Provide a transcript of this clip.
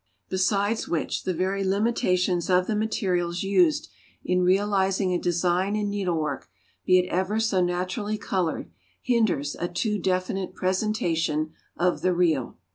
Besides which, the very limitations of the materials used in realising a design in needlework, be it ever so naturally coloured, hinders a too definite presentation of the real.